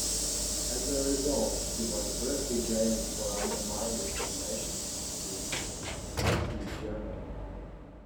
As a result, he was briefly jailed for undermining relations with Nazi Germany.